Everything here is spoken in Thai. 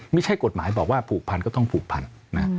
ไม่ใช่กฎหมายบอกว่าผูกพันก็ต้องผูกพันนะ